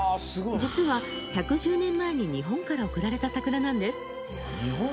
実は１１０年前に日本から贈られた桜なんです。